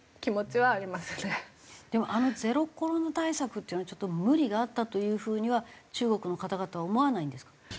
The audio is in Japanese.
でもあのゼロコロナ対策っていうのはちょっと無理があったという風には中国の方々は思わないんですか？